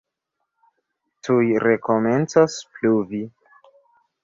Tuj rekomencos pluvi.